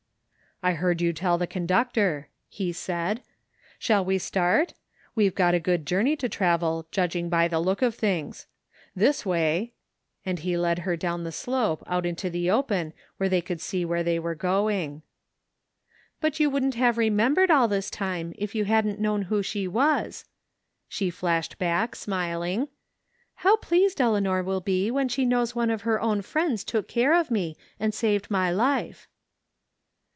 " I heard you tell the conductor," he said. " Shall we start? We've got a good journey to travel judging by the look of things. This way/' and he led her down the slope out into the open where they could see where they were going. " But you wouldn't have remembered all this time if you hadn't known who she was," she flashed back, smiling. " How pleased Eleanor will be when she knows one of her own friends took care of me and saved my life."